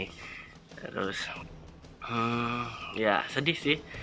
terus ya sedih sih